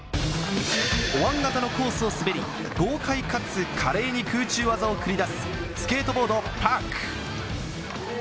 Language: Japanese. おわん型のコースを滑り、豪快かつ華麗に空中技を繰り出すスケートボードパーク。